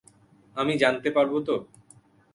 আমি জানতে পারব তো?